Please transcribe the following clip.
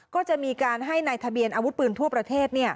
ก็จะมีการให้ในทะเบียนอาวุธปืนทั่วประเทศ